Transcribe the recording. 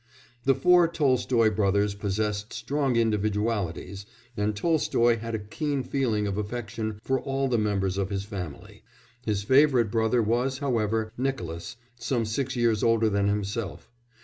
The four Tolstoy brothers possessed strong individualities, and Tolstoy had a keen feeling of affection for all the members of his family; his favourite brother was, however, Nicolas some six years older than himself.